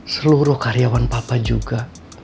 seluruh karyawan papa juga